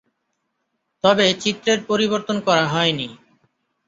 তবে চিত্রের পরিবর্তন করা হয়নি।